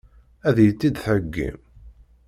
Ad iyi-tt-id-theggim?